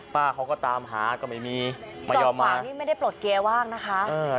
ป้าเขาก็ตามหาก็ไม่มีไม่ยอมวางนี่ไม่ได้ปลดเกียร์ว่างนะคะ